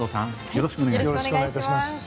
よろしくお願いします。